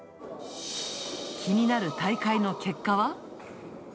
気になる大会の結果は。